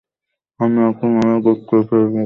আমি এখন আমার গোত্রে ফিরে যাব।